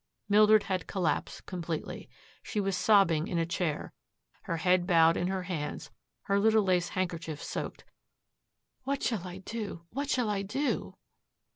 Mildred had collapsed completely. She was sobbing in a chair, her head bowed in her hands, her little lace handkerchief soaked. "What shall I do? What shall I do?"